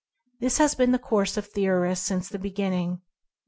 This has been the course of theorists since the begin ning.